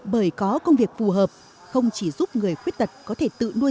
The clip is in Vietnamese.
bởi có công việc phù hợp không chỉ giúp người khuyết tật có thể tự nuôi